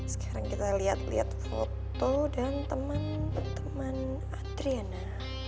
sekarang kita lihat lihat foto dan teman teman adriana